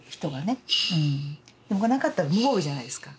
これがなかったら無防備じゃないですか。